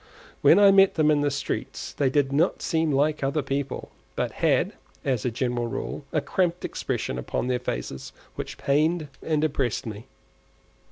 When I met them in the streets they did not seem like other people, but had, as a general rule, a cramped expression upon their faces which pained and depressed me.